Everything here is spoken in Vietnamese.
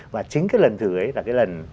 và chính cái lần thử ấy là cái lần